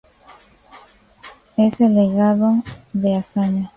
Es el legado de Azaña.